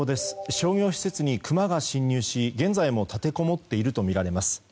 商業施設にクマが侵入し現在も立てこもっているとみられます。